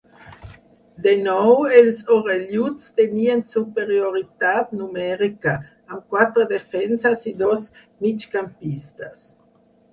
De nou els orelluts tenien superioritat numèrica, amb quatre defenses i dos migcampistes.